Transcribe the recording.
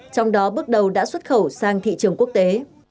trong đó bước đầu đã xuất khẩu sang thị trường quốc tế